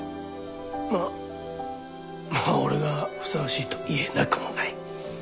まあまあ俺がふさわしいと言えなくもない。